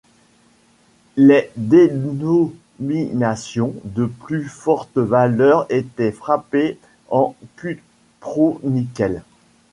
Les dénominations de plus forte valeur étaient frappées en cupronickel.